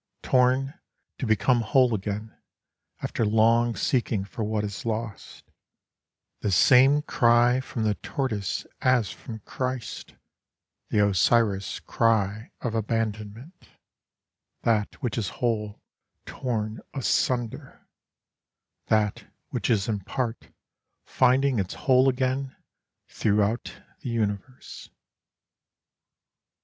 Torn, to become whole again, after long seeking for what is lost, The same cry from the tortoise as from Christ, the Osiris cry of abandonment, That which is whole, torn asunder, That which is in part, finding its whole again throughout the universe.